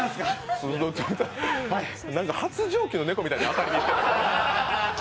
発情期の猫みたいに、当たりにいって。